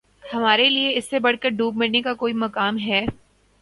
ہمارے لیے اس سے بڑھ کر دوب مرنے کا کوئی مقام ہے